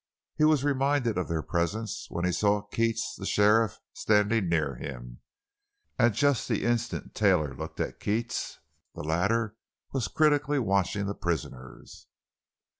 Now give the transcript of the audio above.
He was reminded of their presence when he saw Keats, the sheriff, standing near him. At just the instant Taylor looked at Keats, the latter was critically watching the prisoners.